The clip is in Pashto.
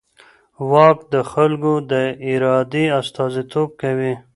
واک د خلکو د ارادې استازیتوب کوي.